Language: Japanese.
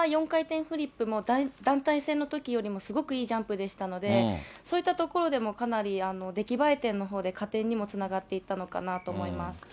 ４回転フリップも団体戦のときよりもすごくいいジャンプでしたので、そういったところでもかなり出来栄え点のほうで、加点にもつながっていったのかなと思います。